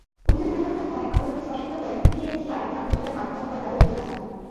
অভিযান পরিচালনার সময় আদালতকে সহযোগিতা করেন বিএসটিআইর নাটোর জেলার মাঠ কর্মকর্তা রকিবুল হাসান।